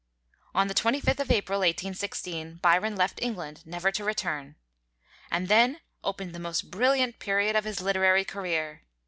On the 25th of April, 1816, Byron left England, never to return. And then opened the most brilliant period of his literary career.